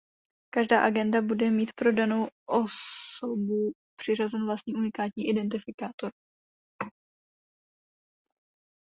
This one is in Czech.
Každá agenda bude mít pro danou osobu přiřazen vlastní unikátní identifikátor.